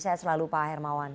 saya selalu pak hermawan